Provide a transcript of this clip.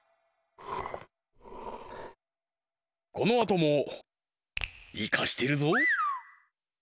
このあともイカしてるぞ！